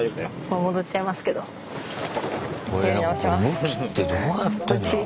向きってどうやってんだろうあれ。